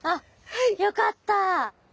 よかった！